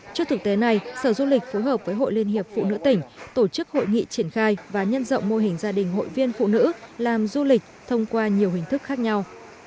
trước thực tế này sở du lịch phối hợp với hội liên hiệp phụ nữ tỉnh tổ chức hội nghị triển khai và nhân rộng mô hình gia đình hội viên phụ nữ làm du lịch thông qua nhiều hình thức khác nhau